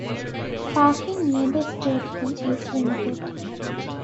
Parking near the stadium is limited.